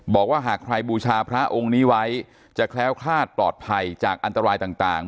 บอกว่าหากใครบูชาพระองค์นี้ไว้จะแคล้วคลาดปลอดภัยจากอันตรายต่าง